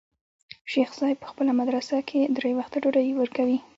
شيخ صاحب په خپله مدرسه کښې درې وخته ډوډۍ وركوي.